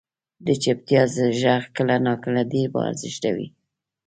• د چپتیا ږغ کله ناکله ډېر با ارزښته وي.